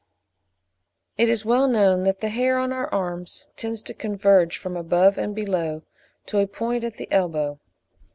It is well known that the hair on our arms tends to converge from above and below to a point at the elbow.